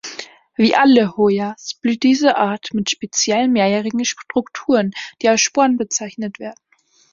Wie alle Hoyas blüht diese Art mit speziellen mehrjährigen Strukturen, die als Sporen bezeichnet werden.